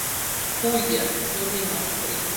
Puglia, giorni nostri.